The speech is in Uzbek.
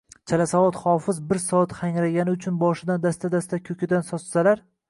chalasavod “hofiz” bir soat “hangragani” uchun boshidan dasta-dasta “ko’ki”dan sochsalar.